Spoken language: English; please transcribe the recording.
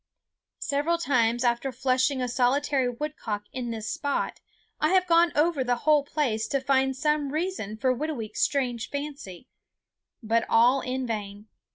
Several times after flushing a solitary woodcock in this spot I have gone over the whole place to find some reason for Whitooweek's strange fancy; but all in vain.